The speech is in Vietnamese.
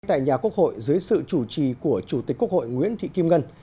tại nhà quốc hội dưới sự chủ trì của chủ tịch quốc hội nguyễn thị kim ngân